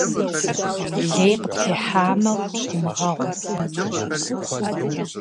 Лей къыптехьамэ, умыгъэгъу.